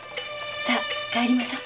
さあ帰りましょう。